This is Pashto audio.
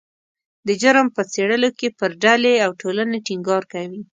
د جرم په څیړلو کې پر ډلې او ټولنې ټینګار کوي